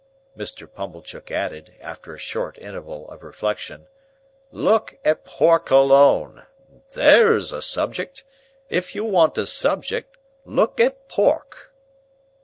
Mr. Pumblechook added, after a short interval of reflection, "Look at Pork alone. There's a subject! If you want a subject, look at Pork!"